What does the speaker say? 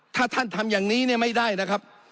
ถ้าท่านทำอย่างนี้เนี่ยไม่ได้นะครับ